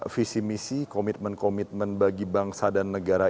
visi misi komitmen komitmen bagi bangsa dan negara